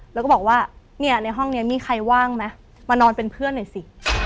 แล้วก็บอกว่าเนี่ยในห้องนี้มีใครว่างไหมมานอนเป็นเพื่อนหน่อยสิ